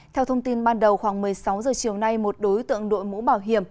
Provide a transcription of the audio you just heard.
theo thông tin ban đầu khoảng một mươi sáu h chiều nay một đối tượng đội mũ bảo hiểm